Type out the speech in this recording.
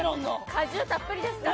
果汁たっぷりですから。